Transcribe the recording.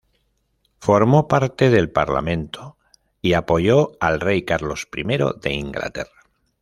Formó parte del Parlamento y apoyó al rey Carlos I de Inglaterra.